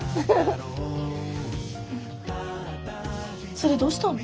それどうしたの？